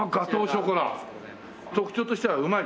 特徴としてはうまい！